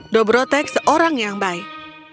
dobrotek seorang yang baik